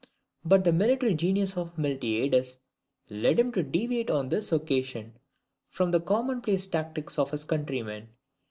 But the military genius of Miltiades led him to deviate on this occasion from the commonplace tactics of his countrymen.